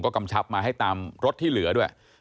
กำชับมาให้ตามรถที่เหลือด้วย